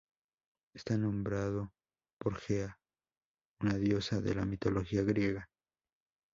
Está nombrado por Gea, una diosa de la mitología griega.